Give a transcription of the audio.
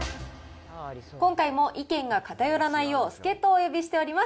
今回も意見が偏らないよう、助っ人をお呼びしております。